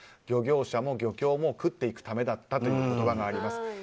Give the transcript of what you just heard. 漁業者も漁協も食っていくためだったという言葉があります。